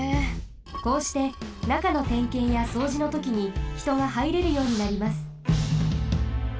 こうしてなかのてんけんやそうじのときにひとがはいれるようになります。